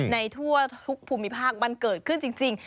ในทั่วทุกภูมิภาคมันเกิดขึ้นจริง